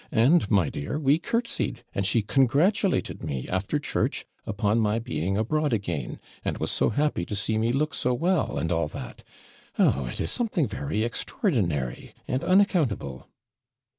And, my dear, we curtsied, and she congratulated me, after church, upon my being abroad again, and was so happy to see me look so well, and all that Oh! it is something very extraordinary and unaccountable!'